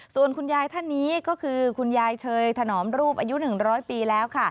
ส่วนคุณยายท่านนี้ก็คือคุณยายเชยถนอมรูปอายุ๑๐๐ปีแล้วค่ะ